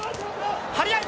張り合い！